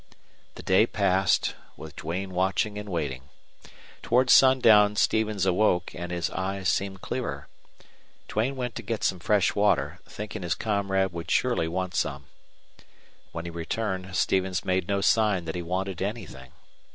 The day passed, with Duane watching and waiting. Toward sundown Stevens awoke, and his eyes seemed clearer. Duane went to get some fresh water, thinking his comrade would surely want some. When he returned Stevens made no sign that he wanted anything.